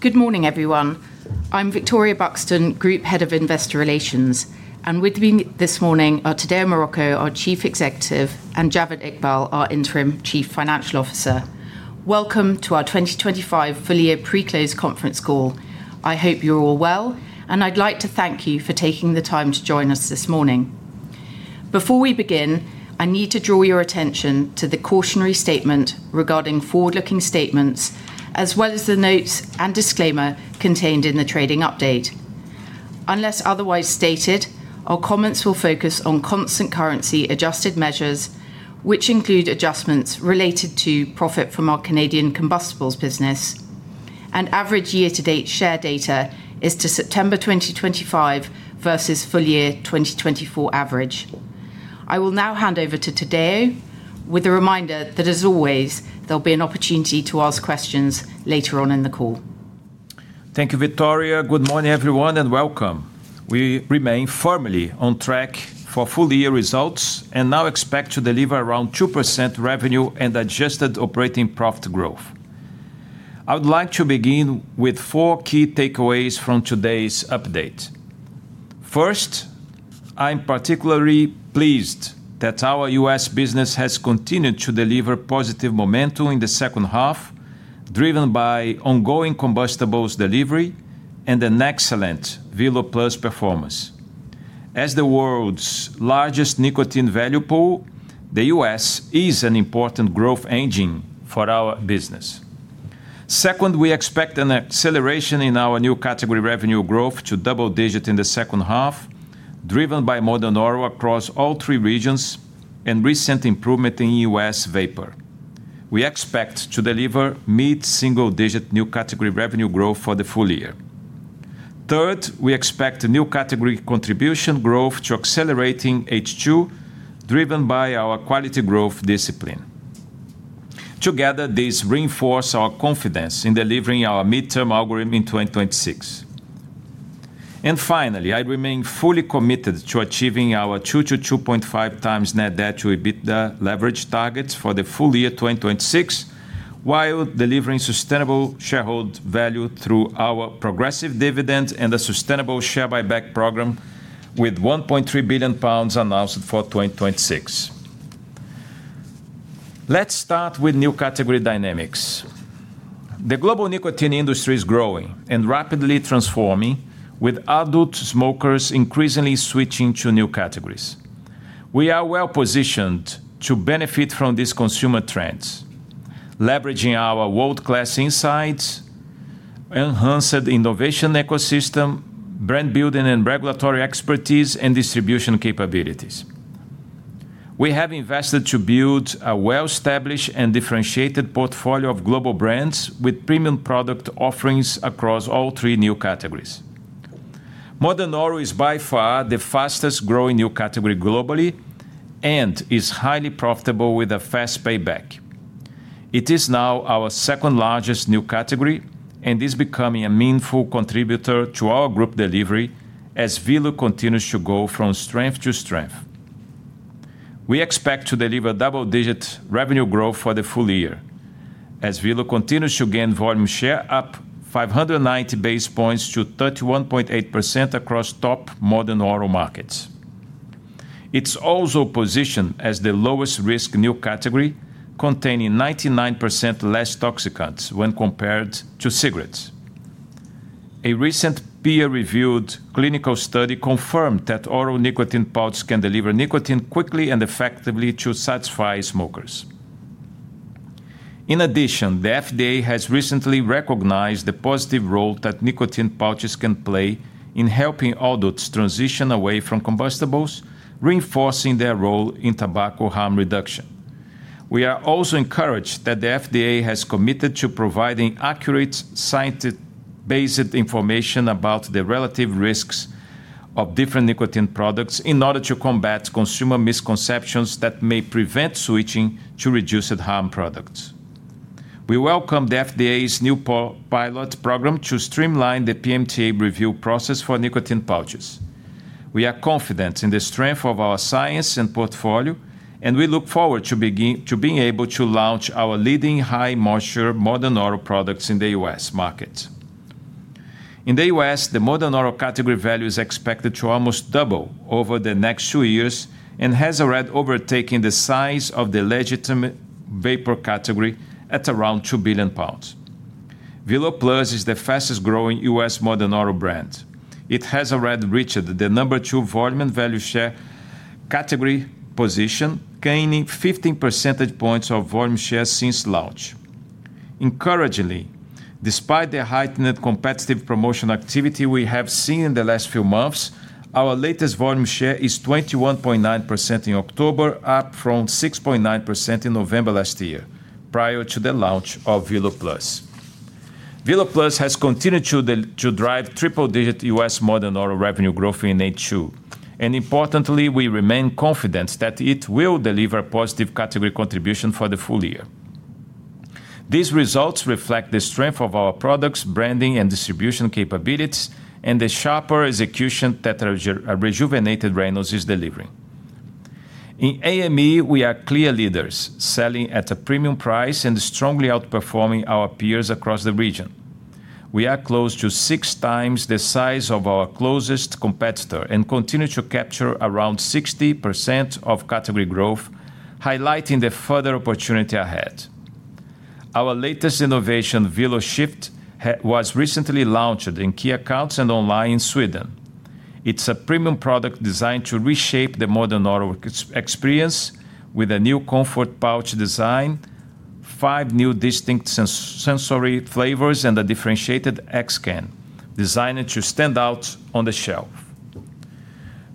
Good morning, everyone. I'm Victoria Buxton, Group Head of Investor Relations, and with me this morning are Tadeu Marroco, our Chief Executive, and Javed Iqbal, our Interim Chief Financial Officer. Welcome to our 2025 full year pre-close conference call. I hope you're all well, and I'd like to thank you for taking the time to join us this morning. Before we begin, I need to draw your attention to the cautionary statement regarding forward-looking statements, as well as the notes and disclaimer contained in the trading update. Unless otherwise stated, our comments will focus on constant currency adjusted measures, which include adjustments related to profit from our Canadian combustibles business, and average year-to-date share data as to September 2025 versus full year 2024 average. I will now hand over to Tadeu, with a reminder that, as always, there'll be an opportunity to ask questions later on in the call. Thank you, Victoria. Good morning, everyone, and welcome. We remain firmly on track for full year results and now expect to deliver around 2% revenue and adjusted operating profit growth. I would like to begin with four key takeaways from today's update. First, I'm particularly pleased that our U.S. business has continued to deliver positive momentum in the second half, driven by ongoing combustibles delivery and an excellent Velo Plus performance. As the world's largest nicotine value pool, the U.S. is an important growth engine for our business. Second, we expect an acceleration in our new category revenue growth to double-digit in the second half, driven by modern oral across all three regions and recent improvement in U.S. vapor. We expect to deliver mid-single-digit new category revenue growth for the full year. Third, we expect new category contribution growth to accelerate in H2, driven by our quality growth discipline. Together, these reinforce our confidence in delivering our midterm algorithm in 2026, and finally, I remain fully committed to achieving our 2x-2.5x net debt to EBITDA leverage targets for the full year 2026, while delivering sustainable shareholder value through our progressive dividend and a sustainable share buyback program with 1.3 billion pounds announced for 2026. Let's start with new category dynamics. The global nicotine industry is growing and rapidly transforming, with adult smokers increasingly switching to new categories. We are well positioned to benefit from these consumer trends, leveraging our world-class insights, enhanced innovation ecosystem, brand-building and regulatory expertise, and distribution capabilities. We have invested to build a well-established and differentiated portfolio of global brands with premium product offerings across all three new categories. Modern Oral is by far the fastest-growing new category globally and is highly profitable with a fast payback. It is now our second-largest new category and is becoming a meaningful contributor to our group delivery as Velo continues to go from strength to strength. We expect to deliver double-digit revenue growth for the full year as Velo continues to gain volume share up 590 basis points to 31.8% across top Modern Oral markets. It's also positioned as the lowest-risk new category, containing 99% less toxicants when compared to cigarettes. A recent peer-reviewed clinical study confirmed that oral nicotine pouch can deliver nicotine quickly and effectively to satisfy smokers. In addition, the FDA has recently recognized the positive role that nicotine pouches can play in helping adults transition away from combustibles, reinforcing their role in tobacco harm reduction. We are also encouraged that the FDA has committed to providing accurate science-based information about the relative risks of different nicotine products in order to combat consumer misconceptions that may prevent switching to reduced harm products. We welcome the FDA's new pilot program to streamline the PMTA review process for nicotine pouches. We are confident in the strength of our science and portfolio, and we look forward to being able to launch our leading high-moisture Modern Oral products in the U.S. market. In the U.S., the Modern Oral category value is expected to almost double over the next two years and has already overtaken the size of the legitimate vapor category at around £2 billion. Velo Plus is the fastest-growing U.S. Modern Oral brand. It has already reached the number two volume and value share category position, gaining 15 percentage points of volume share since launch. Encouragingly, despite the heightened competitive promotion activity we have seen in the last few months, our latest volume share is 21.9% in October, up from 6.9% in November last year, prior to the launch of Velo Plus. Velo Plus has continued to drive triple-digit U.S. modern oral revenue growth in H2, and importantly, we remain confident that it will deliver positive category contribution for the full year. These results reflect the strength of our products, branding, and distribution capabilities, and the sharper execution that our rejuvenated Reynolds is delivering. In AME, we are clear leaders, selling at a premium price and strongly outperforming our peers across the region. We are close to six times the size of our closest competitor and continue to capture around 60% of category growth, highlighting the further opportunity ahead. Our latest innovation, Velo Shift, was recently launched in key accounts and online in Sweden. It's a premium product designed to reshape the Modern Oral experience with a new comfort pouch design, five new distinct sensory flavors, and a differentiated X-can, designed to stand out on the shelf.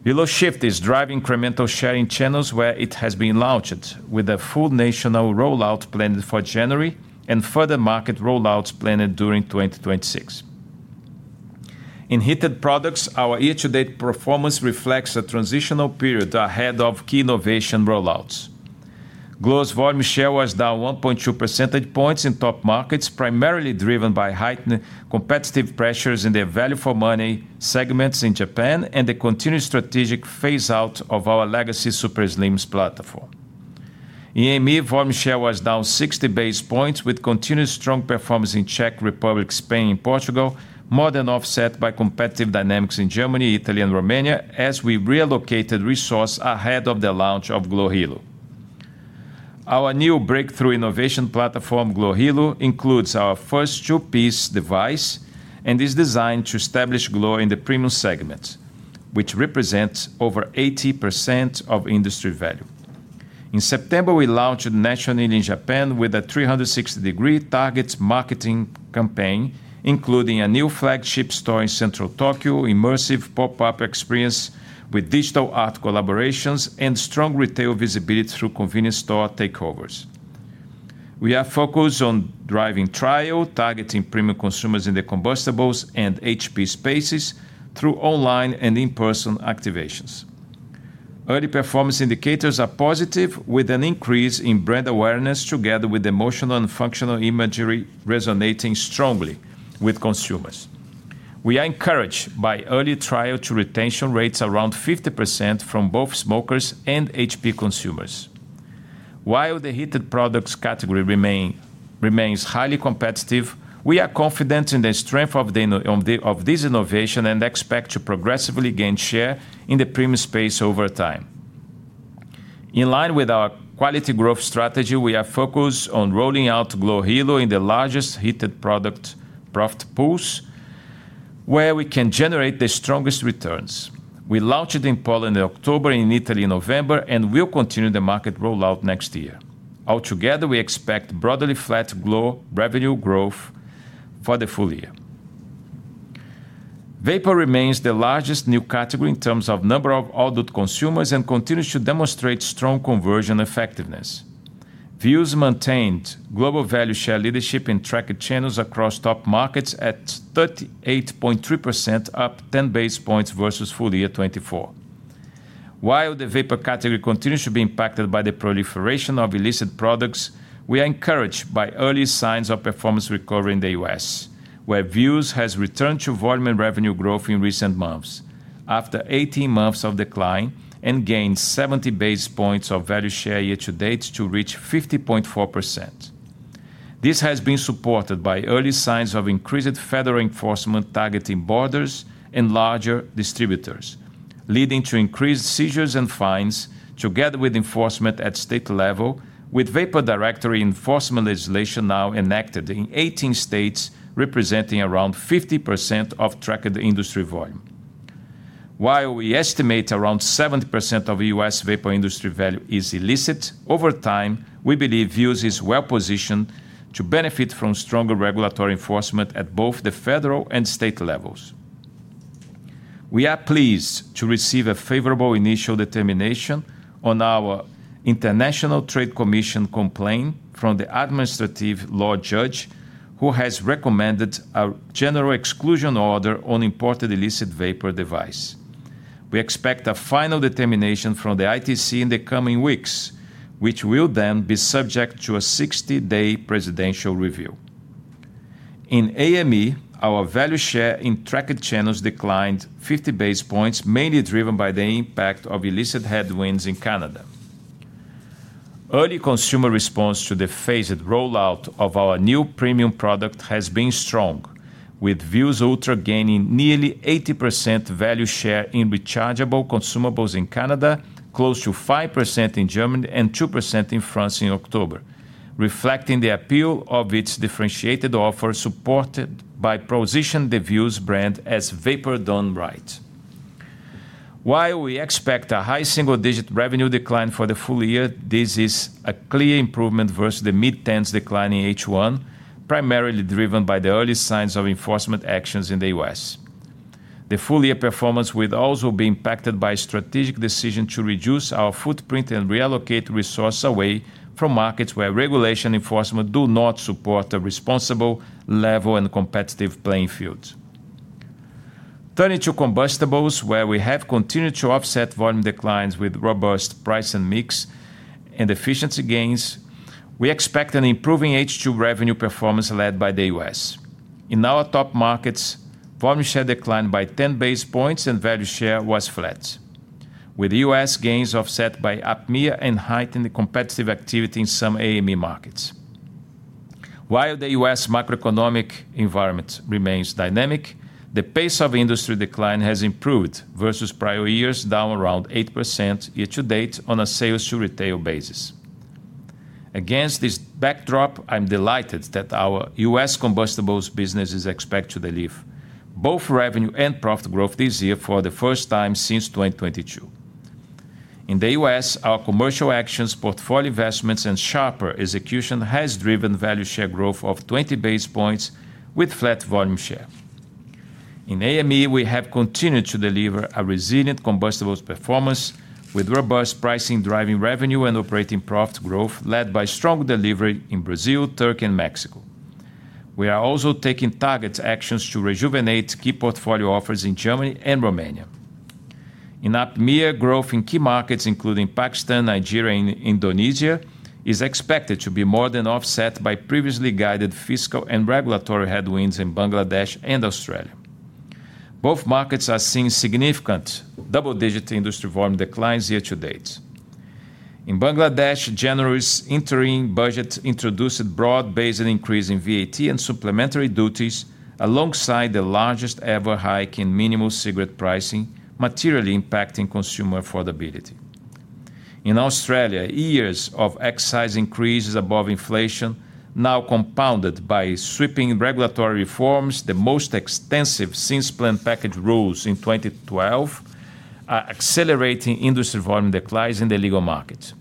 Velo Shift is driving incremental sharing channels where it has been launched, with a full national rollout planned for January and further market rollouts planned during 2026. In heated products, our year-to-date performance reflects a transitional period ahead of key innovation rollouts. Global volume share was down 1.2 percentage points in top markets, primarily driven by heightened competitive pressures in the value-for-money segments in Japan and the continued strategic phase-out of our legacy SuperSlims platform. In AME, volume share was down 60 basis points, with continued strong performance in Czech Republic, Spain, and Portugal, more than offset by competitive dynamics in Germany, Italy, and Romania as we relocated resource ahead of the launch of glo Halo. Our new breakthrough innovation platform, glo Halo, includes our first two-piece device and is designed to establish glo in the premium segment, which represents over 80% of industry value. In September, we launched a national launch in Japan with a 360-degree target marketing campaign, including a new flagship store in central Tokyo, immersive pop-up experience with digital art collaborations, and strong retail visibility through convenience store takeovers. We are focused on driving trial, targeting premium consumers in the combustibles and HP spaces through online and in-person activations. Early performance indicators are positive, with an increase in brand awareness together with emotional and functional imagery resonating strongly with consumers. We are encouraged by early trial to retention rates around 50% from both smokers and HP consumers. While the heated products category remains highly competitive, we are confident in the strength of this innovation and expect to progressively gain share in the premium space over time. In line with our quality growth strategy, we are focused on rolling out glo Halo in the largest heated product profit pools, where we can generate the strongest returns. We launched in Poland in October and in Italy in November and will continue the market rollout next year. Altogether, we expect broadly flat glo revenue growth for the full year. Vapor remains the largest new category in terms of number of adult consumers and continues to demonstrate strong conversion effectiveness. Vuse maintained global value share leadership and tracked channels across top markets at 38.3%, up 10 basis points versus full year 2024. While the vapor category continues to be impacted by the proliferation of illicit products, we are encouraged by early signs of performance recovery in the U.S., where Vuse has returned to volume and revenue growth in recent months after 18 months of decline and gained 70 basis points of value share year-to-date to reach 50.4%. This has been supported by early signs of increased federal enforcement targeting borders and larger distributors, leading to increased seizures and fines together with enforcement at state level, with Vapor Directory Enforcement Legislation now enacted in 18 states representing around 50% of tracked industry volume. While we estimate around 70% of U.S. vapor industry value is illicit, over time, we believe Vuse is well positioned to benefit from stronger regulatory enforcement at both the federal and state levels. We are pleased to receive a favorable initial determination on our International Trade Commission complaint from the administrative law judge, who has recommended a general exclusion order on imported illicit vapor device. We expect a final determination from the ITC in the coming weeks, which will then be subject to a 60-day presidential review. In AME, our value share in tracked channels declined 50 basis points, mainly driven by the impact of illicit headwinds in Canada. Early consumer response to the phased rollout of our new premium product has been strong, with Vuse Ultra gaining nearly 80% value share in rechargeable consumables in Canada, close to 5% in Germany and 2% in France in October, reflecting the appeal of its differentiated offer supported by positioning the Vuse brand as vapor done right. While we expect a high single-digit revenue decline for the full year, this is a clear improvement versus the mid-tens decline in H1, primarily driven by the early signs of enforcement actions in the U.S. The full year performance will also be impacted by a strategic decision to reduce our footprint and reallocate resource away from markets where regulation enforcement does not support a responsible level and competitive playing field. Turning to combustibles, where we have continued to offset volume declines with robust price and mix and efficiency gains, we expect an improving H2 revenue performance led by the U.S. In our top markets, volume share declined by 10 basis points and value share was flat, with U.S gains offset by APMEA and heightened competitive activity in some AME markets. While the U.S. macroeconomic environment remains dynamic, the pace of industry decline has improved versus prior years, down around 8% year-to-date on a sales-to-retail basis. Against this backdrop, I'm delighted that our U.S. combustibles business is expected to deliver both revenue and profit growth this year for the first time since 2022. In the U.S., our commercial actions, portfolio investments, and sharper execution have driven value share growth of 20 basis points with flat volume share. In AME, we have continued to deliver a resilient combustibles performance with robust pricing driving revenue and operating profit growth led by strong delivery in Brazil, Turkey, and Mexico. We are also taking target actions to rejuvenate key portfolio offers in Germany and Romania. In APMEA growth in key markets, including Pakistan, Nigeria, and Indonesia, is expected to be more than offset by previously guided fiscal and regulatory headwinds in Bangladesh and Australia. Both markets are seeing significant double-digit industry volume declines year-to-date. In Bangladesh, January's interim budget introduced a broad-based increase in VAT and supplementary duties, alongside the largest-ever hike in minimum cigarette pricing, materially impacting consumer affordability. In Australia, years of excise increases above inflation, now compounded by sweeping regulatory reforms, the most extensive since Plain Packaging rules in 2012, are accelerating industry volume declines in the legal market.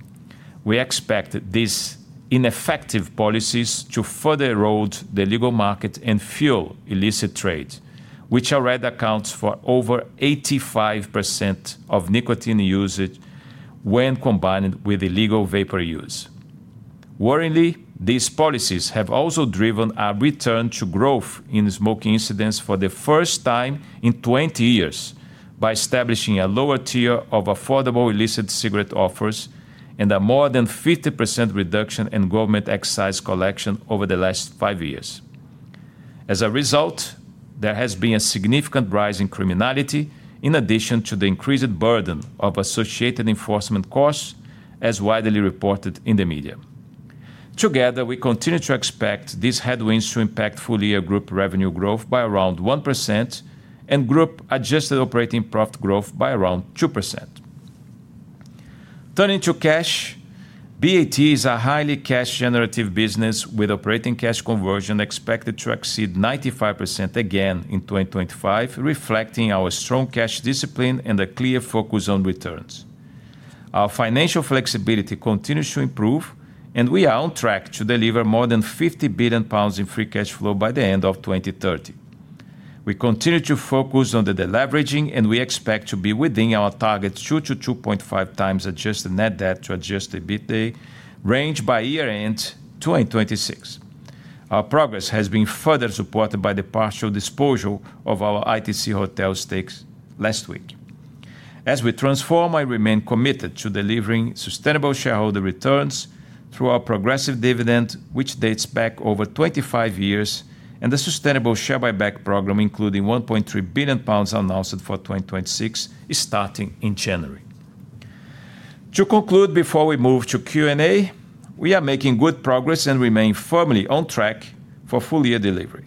We expect these ineffective policies to further erode the legal market and fuel illicit trade, which already accounts for over 85% of nicotine usage when combined with illegal vapor use. Worryingly, these policies have also driven a return to growth in smoking incidence for the first time in 20 years by establishing a lower tier of affordable illicit cigarette offers and a more than 50% reduction in government excise collection over the last five years. As a result, there has been a significant rise in criminality, in addition to the increased burden of associated enforcement costs, as widely reported in the media. Together, we continue to expect these headwinds to impact full year group revenue growth by around 1% and group adjusted operating profit growth by around 2%. Turning to cash, BAT is a highly cash-generative business with operating cash conversion expected to exceed 95% again in 2025, reflecting our strong cash discipline and a clear focus on returns. Our financial flexibility continues to improve, and we are on track to deliver more than 50 billion pounds in free cash flow by the end of 2030. We continue to focus on the deleveraging, and we expect to be within our target 2x-2.5x adjusted net debt to adjusted EBITDA range by year-end 2026. Our progress has been further supported by the partial disposal of our ITC hotel stakes last week. As we transform, I remain committed to delivering sustainable shareholder returns through our progressive dividend, which dates back over 25 years, and the sustainable share buyback program, including 1.3 billion pounds announced for 2026, starting in January. To conclude, before we move to Q&A, we are making good progress and remain firmly on track for full year delivery.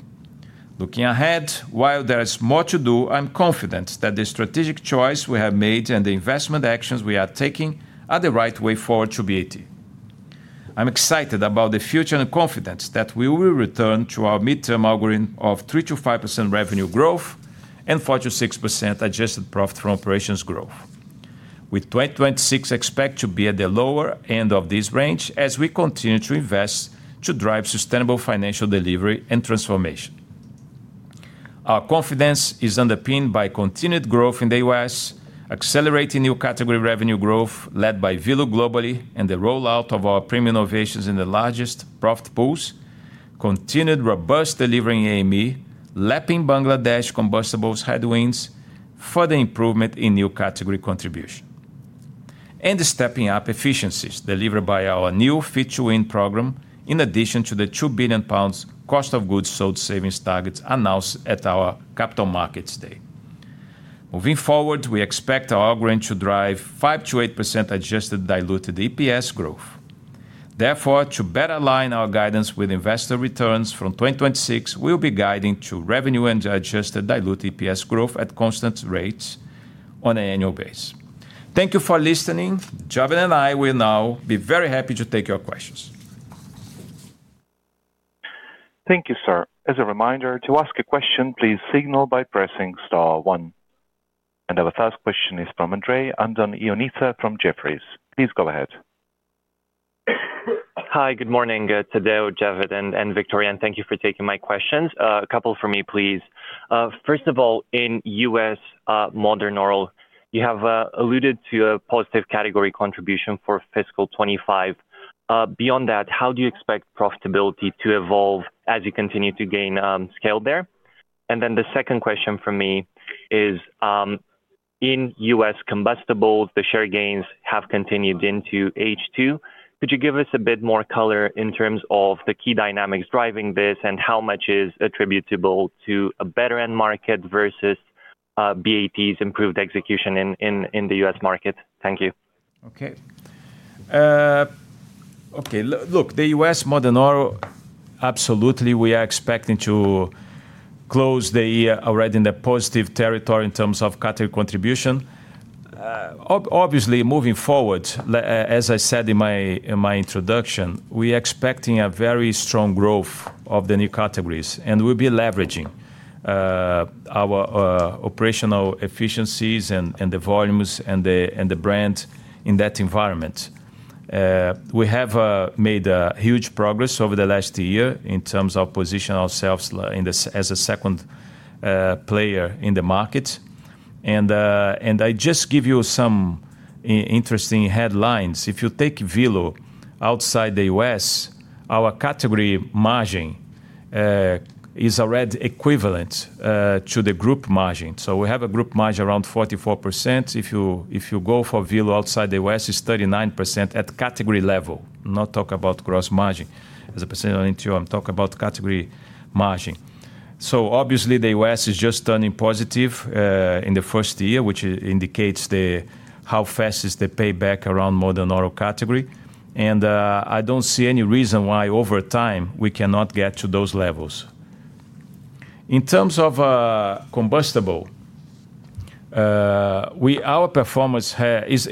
Looking ahead, while there is more to do, I'm confident that the strategic choice we have made and the investment actions we are taking are the right way forward to BAT. I'm excited about the future and confident that we will return to our mid-term algorithm of 3%-5% revenue growth and 4%-6% adjusted profit from operations growth. With 2026 expected to be at the lower end of this range as we continue to invest to drive sustainable financial delivery and transformation. Our confidence is underpinned by continued growth in the U.S., accelerating new category revenue growth led by Velo globally and the rollout of our premium innovations in the largest profit pools, continued robust delivery in AME, lapping Bangladesh combustibles headwinds, further improvement in new category contribution, and stepping up efficiencies delivered by our new Fit to Win program, in addition to the £2 billion cost of goods sold savings targets announced at our capital markets day. Moving forward, we expect our algorithm to drive 5%-8% Adjusted Diluted EPS growth. Therefore, to better align our guidance with investor returns from 2026, we'll be guiding to revenue and adjusted diluted EPS growth at constant rates on an annual basis. Thank you for listening. Javed and I will now be very happy to take your questions. Thank you, sir. As a reminder, to ask a question, please signal by pressing star one. And our first question is from Andon-Ionita from Jefferies. Please go ahead. Hi, good morning, Tadeu, Javed, and Victoria. And thank you for taking my questions. A couple for me, please. First of all, in U.S. modern oral, you have alluded to a positive category contribution for fiscal 2025. Beyond that, how do you expect profitability to evolve as you continue to gain scale there? And then the second question for me is, in U.S. combustibles, the share gains have continued into H2. Could you give us a bit more color in terms of the key dynamics driving this and how much is attributable to a better end market versus BAT's improved execution in the U.S. market? Thank you. Okay. Okay, look, the U.S. Modern Oral, absolutely, we are expecting to close the year already in the positive territory in terms of category contribution. Obviously, moving forward, as I said in my introduction, we are expecting a very strong growth of the new categories, and we'll be leveraging our operational efficiencies and the volumes and the brand in that environment. We have made huge progress over the last year in terms of positioning ourselves as a second player in the market. And I just give you some interesting headlines. If you take Velo outside the U.S., our category margin is already equivalent to the group margin. So we have a group margin around 44%. If you go for Velo outside the U.S., it's 39% at category level. Not talking about gross margin. As a percentage of NTO, I'm talking about category margin. Obviously, the U.S. is just turning positive in the first year, which indicates how fast is the payback around modern oral category. And I don't see any reason why over time we cannot get to those levels. In terms of combustibles, our performance is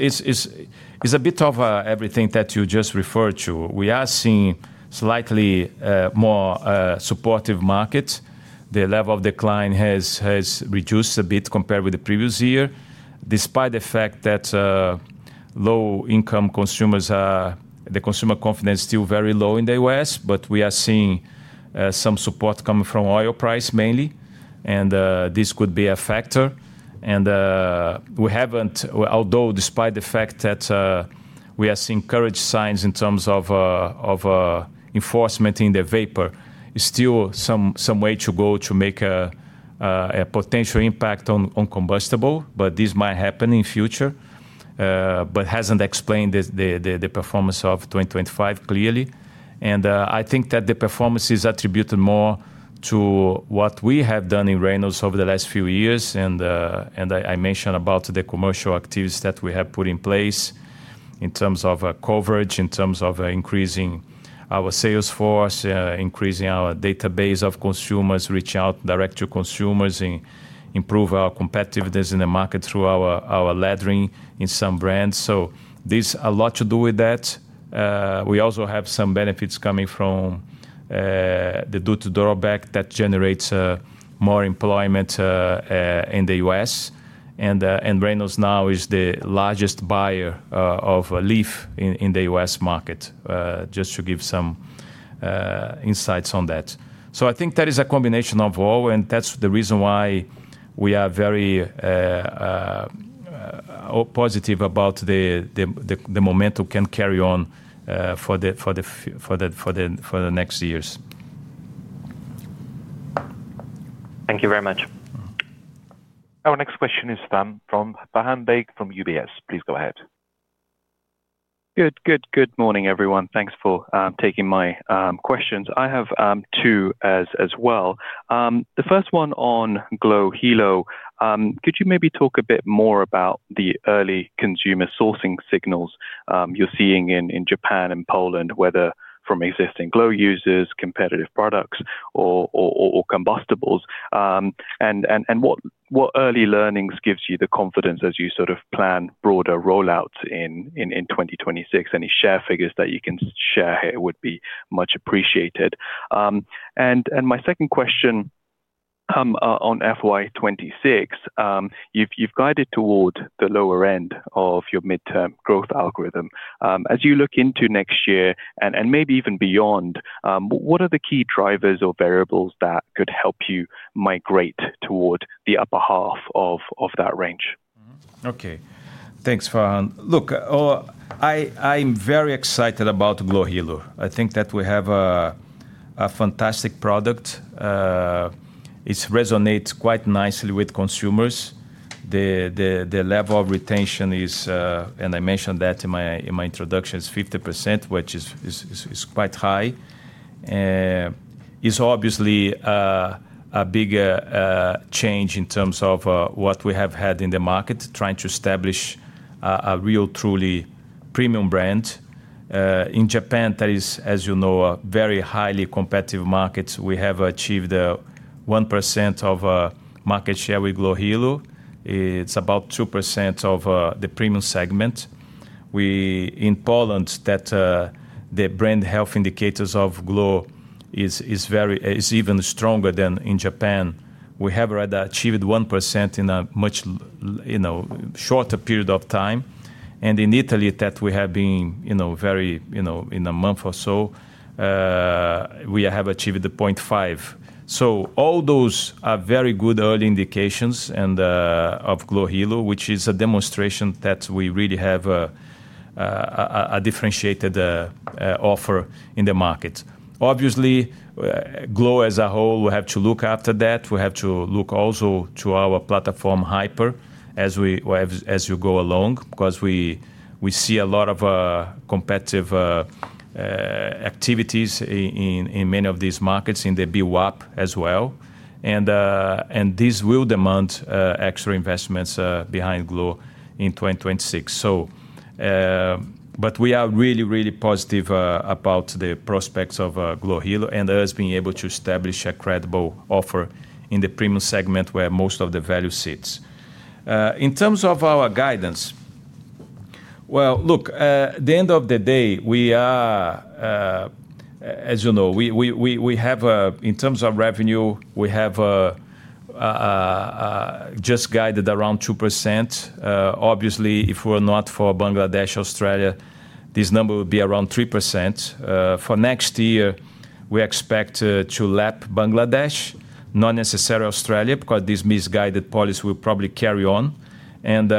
a bit of everything that you just referred to. We are seeing slightly more supportive markets. The level of decline has reduced a bit compared with the previous year, despite the fact that low-income consumers, the consumer confidence is still very low in the U.S., but we are seeing some support coming from oil price mainly, and this could be a factor. And we haven't, although despite the fact that we are seeing encouraging signs in terms of enforcement in the vapor, still some way to go to make a potential impact on combustibles, but this might happen in the future, but hasn't explained the performance of 2025 clearly. And I think that the performance is attributed more to what we have done in Reynolds over the last few years, and I mentioned about the commercial activities that we have put in place in terms of coverage, in terms of increasing our sales force, increasing our database of consumers, reaching out direct to consumers and improving our competitiveness in the market through our laddering in some brands. So there's a lot to do with that. We also have some benefits coming from the duty drawback that generates more employment in the U.S. And Reynolds now is the largest buyer of leaf in the U.S. market, just to give some insights on that. So I think that is a combination of all, and that's the reason why we are very positive about the momentum can carry on for the next years. Thank you very much. Our next question is from Faham Baig from UBS. Please go ahead. Good, good, good morning, everyone. Thanks for taking my questions. I have two as well. The first one on glo Halo, could you maybe talk a bit more about the early consumer sourcing signals you're seeing in Japan and Poland, whether from existing glo users, competitive products, or combustibles? And what early learnings gives you the confidence as you sort of plan broader rollouts in 2026? Any share figures that you can share here would be much appreciated. My second question on FY 2026, you've guided toward the lower end of your mid-term growth algorithm. As you look into next year and maybe even beyond, what are the key drivers or variables that could help you migrate toward the upper half of that range? Okay, thanks, Faham. Look, I'm very excited about glo Halo. I think that we have a fantastic product. It resonates quite nicely with consumers. The level of retention is, and I mentioned that in my introduction, is 50%, which is quite high. It's obviously a bigger change in terms of what we have had in the market, trying to establish a real, truly premium brand. In Japan, that is, as you know, a very highly competitive market. We have achieved 1% of market share with glo Halo. It's about 2% of the premium segment. In Poland, that the brand health indicators of glo is even stronger than in Japan. We have already achieved 1% in a much shorter period of time, and in Italy, that we have achieved 0.5% in a month or so, so all those are very good early indications of glo Halo, which is a demonstration that we really have a differentiated offer in the market. Obviously, glo as a whole, we have to look after that. We have to look also to our platform Hyper as we go along, because we see a lot of competitive activities in many of these markets in the APMEA as well, and this will demand extra investments behind glo in 2026. But we are really, really positive about the prospects of glo Halo and us being able to establish a credible offer in the premium segment where most of the value sits. In terms of our guidance, well, look, at the end of the day, we are, as you know, we have, in terms of revenue, we have just guided around 2%. Obviously, if we're not for Bangladesh, Australia, this number would be around 3%. For next year, we expect to lap Bangladesh, not necessarily Australia, because this misguided policy will probably carry on. And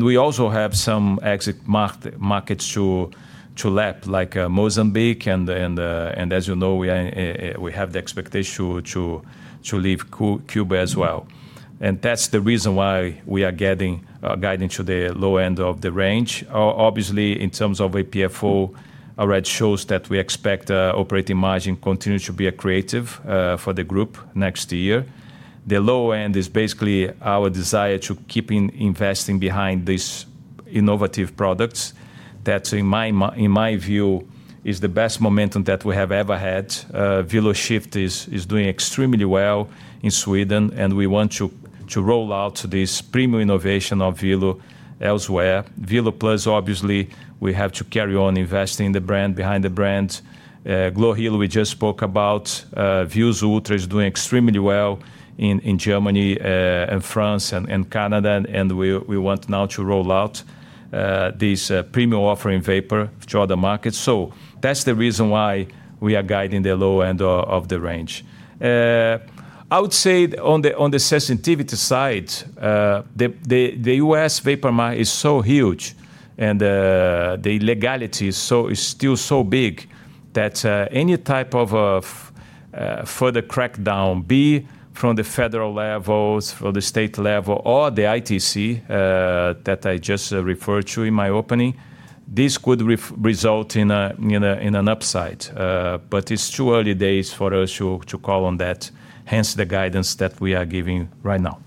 we also have some exit markets to lap, like Mozambique. And as you know, we have the expectation to leave Cuba as well. And that's the reason why we are getting guiding to the low end of the range. Obviously, in terms of APFO, already shows that we expect operating margin continues to be a driver for the group next year. The low end is basically our desire to keep investing behind these innovative products that, in my view, is the best momentum that we have ever had. Velo Shift is doing extremely well in Sweden, and we want to roll out this premium innovation of Velo elsewhere. Velo Plus, obviously, we have to carry on investing in the brand, behind the brand. Glo Halo, we just spoke about, Vuse Ultra is doing extremely well in Germany and France and Canada, and we want now to roll out this premium offer in Vapor to other markets. So that's the reason why we are guiding the low end of the range. I would say on the sensitivity side, the U.S. Vapor market is so huge, and the legality is still so big that any type of further crackdown, be from the federal level, from the state level, or the ITC that I just referred to in my opening, this could result in an upside. But it's too early days for us to call on that, hence the guidance that we are giving right now.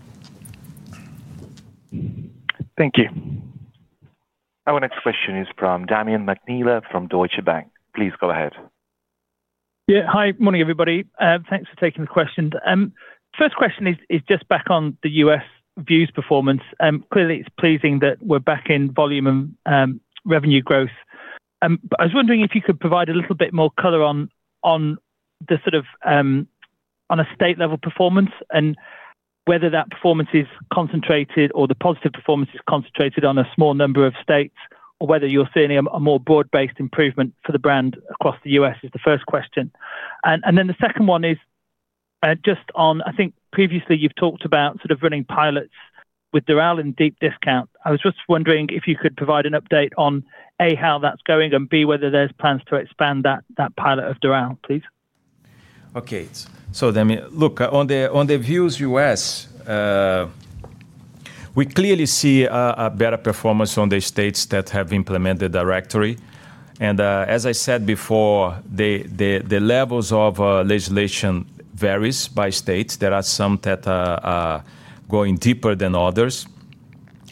Thank you. Our next question is from Damian Mcneela from Deutsche Bank. Please go ahead. Yeah, hi, morning everybody. Thanks for taking the question. First question is just back on the U.S. Vuse performance. Clearly, it's pleasing that we're back in volume and revenue growth. I was wondering if you could provide a little bit more color on the sort of on a state-level performance and whether that performance is concentrated or the positive performance is concentrated on a small number of states, or whether you're seeing a more broad-based improvement for the brand across the U.S. Is the first question. And then the second one is just on, I think previously you've talked about sort of running pilots with Doral in deep discount. I was just wondering if you could provide an update on, A, how that's going, and B, whether there's plans to expand that pilot of Doral, please. Okay, so Damian, look, on the Vuse U.S., we clearly see a better performance on the states that have implemented the directory. And as I said before, the levels of legislation vary by state. There are some that are going deeper than others,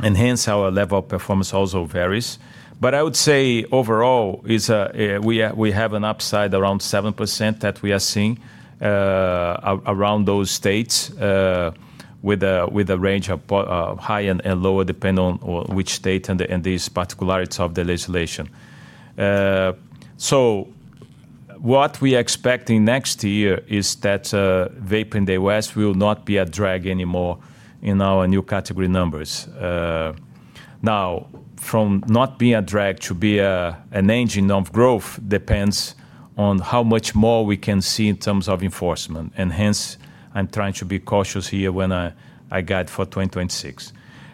and hence our level of performance also varies. But I would say overall, we have an upside around 7% that we are seeing around those states with a range of high and lower depending on which state and these particularities of the legislation. So what we expect in next year is that vaping in the U.S. will not be a drag anymore in our new category numbers. Now, from not being a drag to be an engine of growth depends on how much more we can see in terms of enforcement. And hence, I'm trying to be cautious here when I guide for 2026.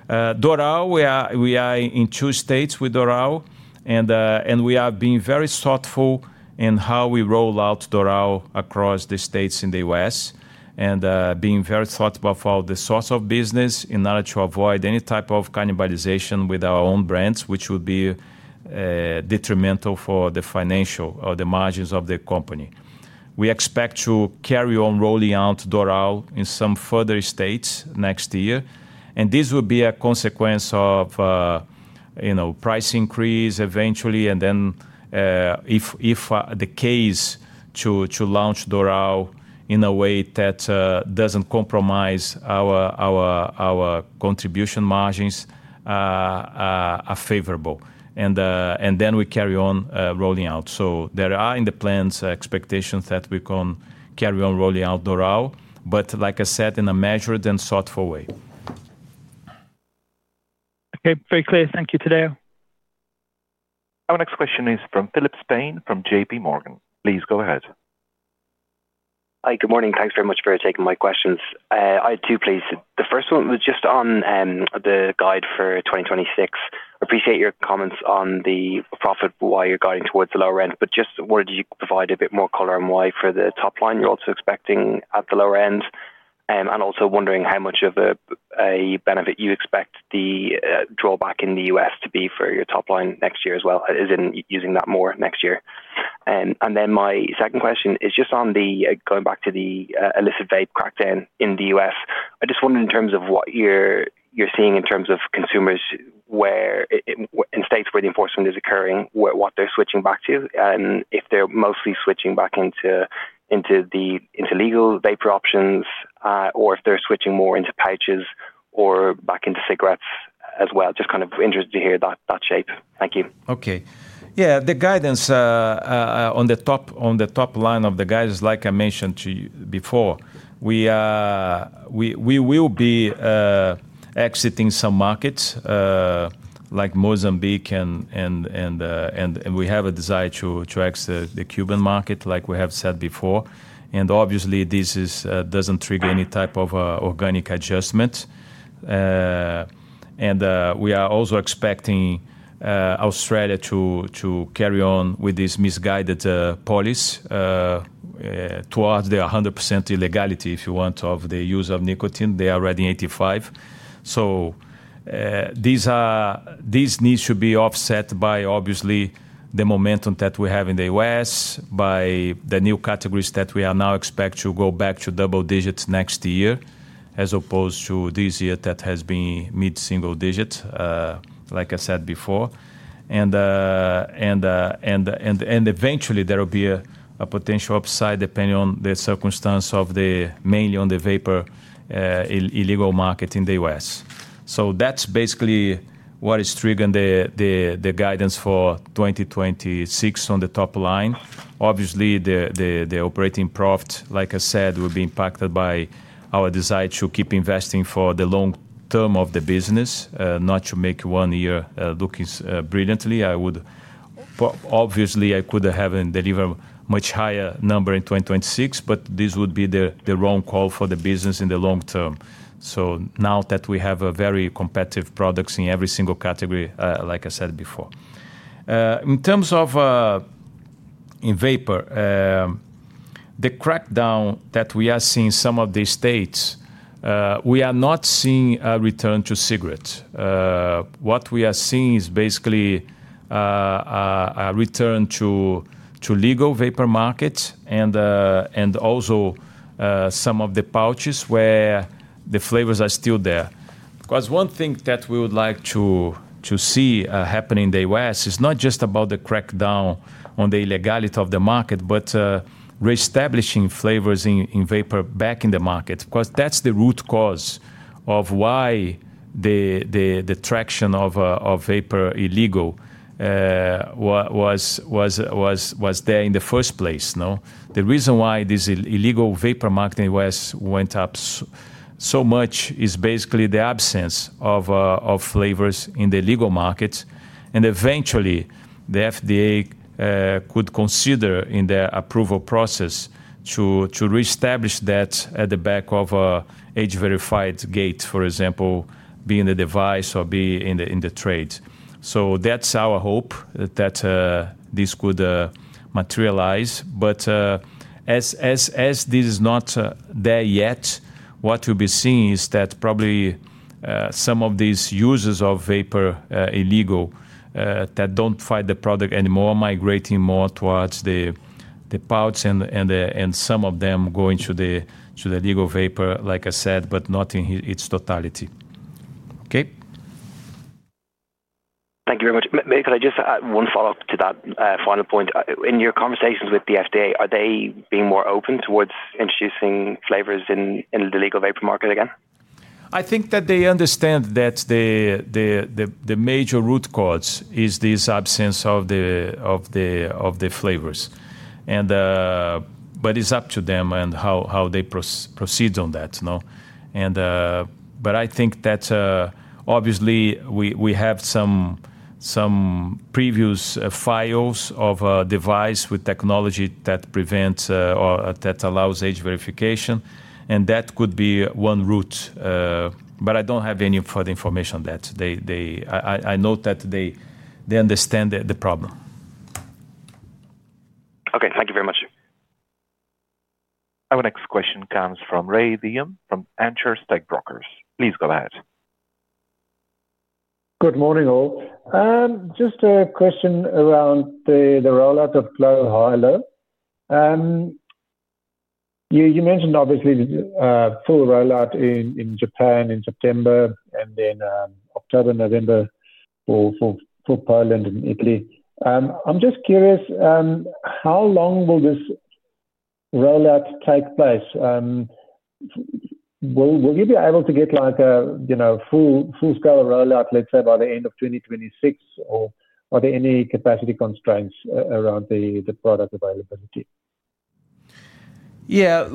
Doral, we are in two states with Doral, and we are being very thoughtful in how we roll out Doral across the states in the U.S. and being very thoughtful about the source of business in order to avoid any type of cannibalization with our own brands, which would be detrimental for the financial or the margins of the company. We expect to carry on rolling out Doral in some further states next year. And this will be a consequence of price increase eventually, and then if the case to launch Doral in a way that doesn't compromise our contribution margins are favorable. And then we carry on rolling out. So there are in the plans expectations that we can carry on rolling out Doral, but like I said, in a measured and thoughtful way. Okay, very clear. Thank you, Tadeu. Our next question is from Philip Spain from JPMorgan. Please go ahead. Hi, good morning. Thanks very much for taking my questions. I have two, please. The first one was just on the guide for 2026. Appreciate your comments on the profit while you're guiding towards the lower end, but just wanted you to provide a bit more color on why for the top line you're also expecting at the lower end, and also wondering how much of a benefit you expect the drawback in the U.S. to be for your top line next year as well, as in using that more next year. And then my second question is just on going back to the illicit vape crackdown in the U.S. I just wondered in terms of what you're seeing in terms of consumers in states where the enforcement is occurring, what they're switching back to, and if they're mostly switching back into the legal vapor options, or if they're switching more into pouches or back into cigarettes as well. Just kind of interested to hear that shape. Thank you. Okay. Yeah, the guidance on the top line of the guidance, like I mentioned to you before, we will be exiting some markets like Mozambique, and we have a desire to exit the Cuban market, like we have said before. And obviously, this doesn't trigger any type of organic adjustment. And we are also expecting Australia to carry on with this misguided policy towards the 100% illegality, if you want, of the use of nicotine. They are already 85%. So these needs should be offset by, obviously, the momentum that we have in the U.S., by the new categories that we now expect to go back to double digits next year, as opposed to this year that has been mid-single digits, like I said before. And eventually, there will be a potential upside depending on the circumstances mainly on the illegal vapor market in the U.S. So that's basically what is triggering the guidance for 2026 on the top line. Obviously, the operating profit, like I said, will be impacted by our desire to keep investing for the long term of the business, not to make one year looking brilliantly. Obviously, I could have a much higher number in 2026, but this would be the wrong call for the business in the long term. So now that we have very competitive products in every single category, like I said before. In terms of Vapor, the crackdown that we are seeing in some of the states, we are not seeing a return to cigarettes. What we are seeing is basically a return to legal vapor markets and also some of the pouches where the flavors are still there. Because one thing that we would like to see happen in the U.S. is not just about the crackdown on the illegality of the market, but reestablishing flavors in vapor back in the market. Because that's the root cause of why the traction of vapor illegal was there in the first place. The reason why this illegal vapor market in the U.S. went up so much is basically the absence of flavors in the legal market. And eventually, the FDA could consider in the approval process to reestablish that at the back of an age-verified gate, for example, be in the device or be in the trade. So that's our hope that this could materialize. But as this is not there yet, what we'll be seeing is that probably some of these users of illegal vapor that don't find the product anymore are migrating more towards the pouch and some of them going to the legal vapor, like I said, but not in its totality. Okay. Thank you very much. Can I just add one follow-up to that final point? In your conversations with the FDA, are they being more open towards introducing flavors in the legal vapor market again? I think that they understand that the major root cause is this absence of the flavors. But it's up to them and how they proceed on that. But I think that obviously we have some previous files of a device with technology that allows age verification, and that could be one route. But I don't have any further information on that. I know that they understand the problem. Okay, thank you very much. Our next question comes from Rey Wium from Anchor Stockbrokers. Please go ahead. Good morning, all. Just a question around the rollout of glo Halo. You mentioned obviously full rollout in Japan in September and then October, November for Poland and Italy. I'm just curious, how long will this rollout take place? Will you be able to get a full-scale rollout, let's say, by the end of 2026, or are there any capacity constraints around the product availability? Yeah,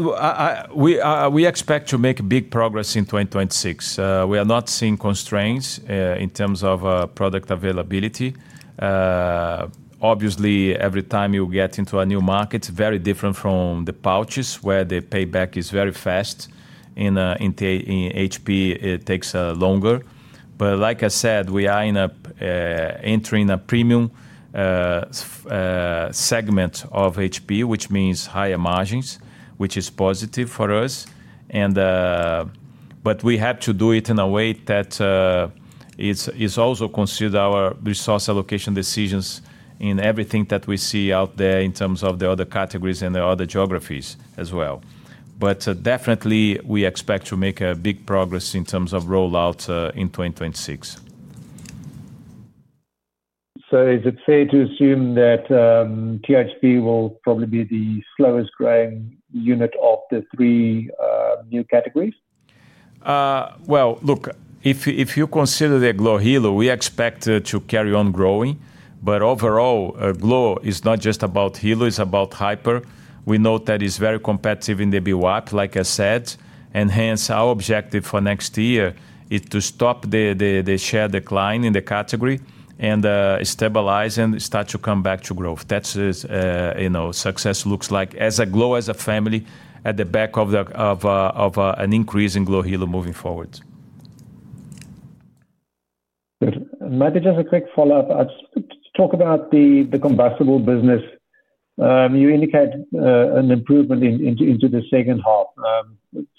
we expect to make big progress in 2026. We are not seeing constraints in terms of product availability. Obviously, every time you get into a new market, it's very different from the pouches, where the payback is very fast. In HP, it takes longer. But like I said, we are entering a premium segment of HP, which means higher margins, which is positive for us. But we have to do it in a way that is also considered our resource allocation decisions in everything that we see out there in terms of the other categories and the other geographies as well. But definitely, we expect to make big progress in terms of rollout in 2026. So is it safe to assume that THP will probably be the slowest growing unit of the three new categories? Well, look, if you consider the glo Halo, we expect to carry on growing. But overall, glo is not just about Halo, it's about Hyper. We know that it's very competitive in the APMEA, like I said. And hence, our objective for next year is to stop the share decline in the category and stabilize and start to come back to growth. That's what success looks like as a glo, as a family at the back of an increase in glo Halo moving forward. Maybe just a quick follow-up. To talk about the combustibles business, you indicate an improvement into the second half.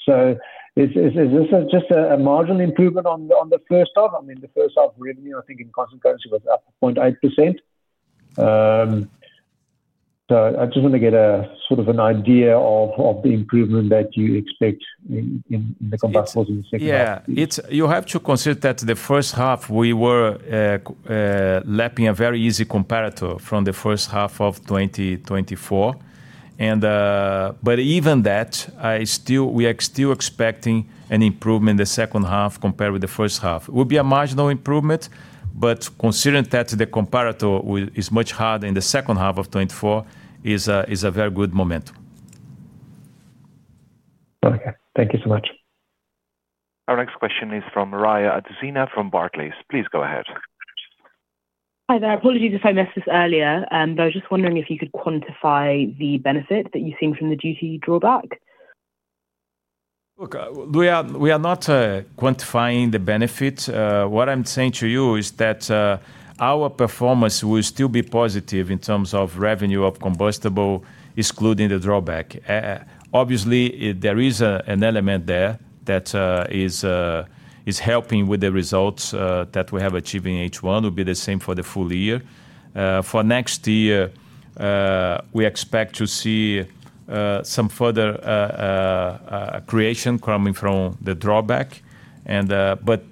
So is this just a marginal improvement on the first half? I mean, the first half revenue, I think in combustibles, was up 0.8%. So I just want to get sort of an idea of the improvement that you expect in the combustibles in the second half. Yeah, you have to consider that the first half we were lapping a very easy comparator from the first half of 2024. But even that, we are still expecting an improvement in the second half compared with the first half. It would be a marginal improvement, but considering that the comparator is much harder in the second half of 2024, that is a very good momentum. Okay, thank you so much. Our next question is from Barclays. Please go ahead. Hi, there. Apologies if I missed this earlier, but I was just wondering if you could quantify the benefit that you've seen from the duty drawback. Look, we are not quantifying the benefit. What I'm saying to you is that our performance will still be positive in terms of revenue of combustible, excluding the drawback. Obviously, there is an element there that is helping with the results that we have achieved in H1. It will be the same for the full year. For next year, we expect to see some further creation coming from the drawback. But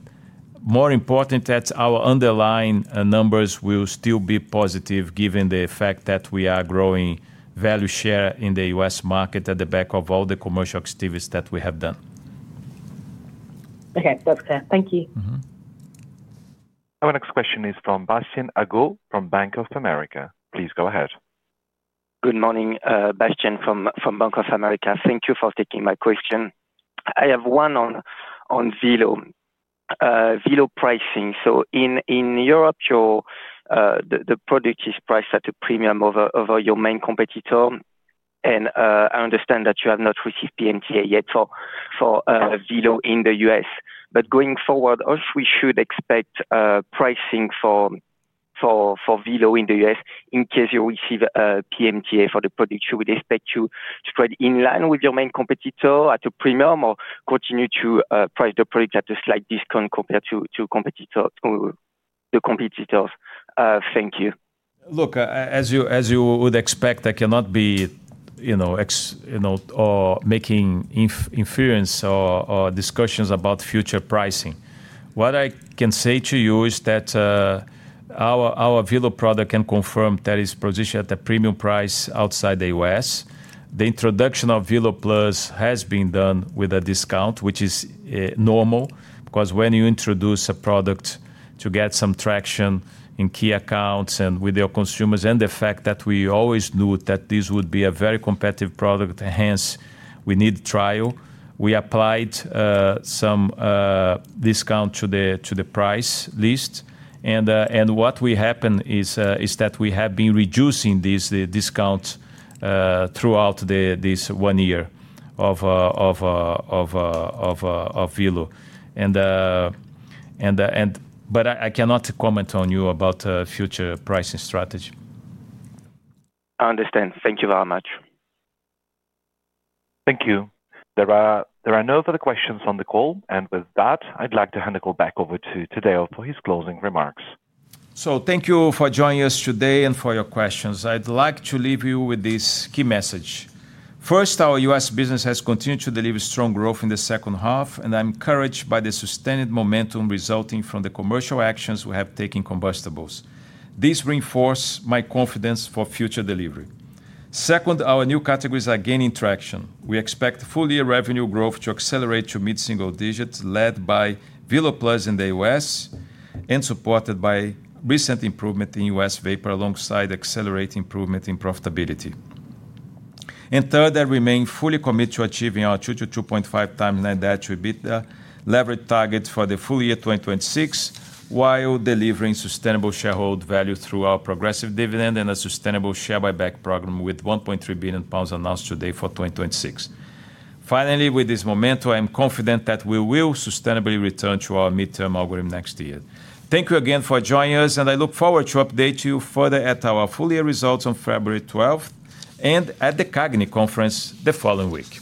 more importantly, that our underlying numbers will still be positive given the fact that we are growing value share in the U.S. market on the back of all the commercial activities that we have done. Okay, that's clear. Thank you. Our next question is from Bastien Agaud from Bank of America. Please go ahead. Good morning, Bastien from Bank of America. Thank you for taking my question. I have one on Velo, Velo pricing. So in Europe, the product is priced at a premium over your main competitor, and I understand that you have not received PMTA yet for Velo in the U.S. But going forward, if we should expect pricing for Velo in the U.S., in case you receive PMTA for the product, should we expect you to trade in line with your main competitor at a premium or continue to price the product at a slight discount compared to the competitors? Thank you. Look, as you would expect, I cannot be making inference or discussions about future pricing. What I can say to you is that our Velo product can confirm that it's positioned at a premium price outside the U.S. The introduction of Velo Plus has been done with a discount, which is normal. Because when you introduce a product to get some traction in key accounts and with your consumers and the fact that we always knew that this would be a very competitive product, hence we need trial, we applied some discount to the price list. And what happened is that we have been reducing this discount throughout this one year of Velo. But I cannot comment to you about future pricing strategy. I understand. Thank you very much. Thank you. There are no further questions on the call. And with that, I'd like to hand the call back over to Tadeu for his closing remarks. So thank you for joining us today and for your questions. I'd like to leave you with this key message. First, our U.S. business has continued to deliver strong growth in the second half, and I'm encouraged by the sustained momentum resulting from the commercial actions we have taken combustibles. This reinforces my confidence for future delivery. Second, our new categories are gaining traction. We expect full-year revenue growth to accelerate to mid-single digits, led by Velo Plus in the U.S. and supported by recent improvement in U.S. vapor alongside accelerated improvement in profitability. And third, I remain fully committed to achieving our 2x-2.5x net debt leverage target for the full year 2026 while delivering sustainable shareholder value through our progressive dividend and a sustainable share buyback program with 1.3 billion pounds announced today for 2026. Finally, with this momentum, I am confident that we will sustainably return to our mid-term algorithm next year. Thank you again for joining us, and I look forward to updating you further at our full-year results on February 12th and at the CAGNY Conference the following week.